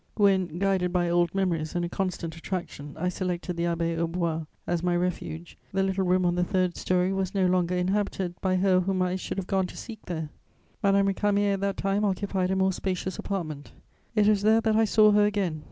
"When, guided by old memories and a constant attraction, I selected the Abbaye aux Bois as my refuge, the little room on the third storey was no longer inhabited by her whom I should have gone to seek there; Madame Récamier at that time occupied a more spacious apartment. It was there that I saw her again.